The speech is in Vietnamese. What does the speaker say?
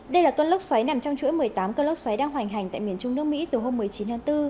đây là cơn lốc xoáy nằm trong chuỗi một mươi tám cơn lốc xoáy đang hoành hành tại miền trung nước mỹ từ hôm một mươi chín tháng bốn